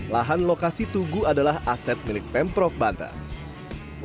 lahan lokasi tugu adalah aset milik pemprov banten